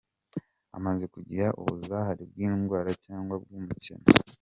amaze gukira ubuzahare bw’indwara cyangwa bw’umukeno.